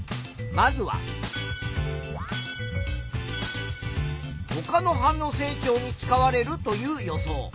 まずはほかの葉の成長に使われるという予想。